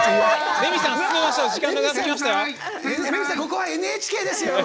レミさん、ここはＮＨＫですよ！